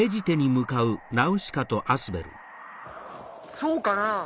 そうかなぁ